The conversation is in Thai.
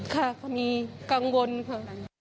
ค่ะก็มีกังวลค่ะ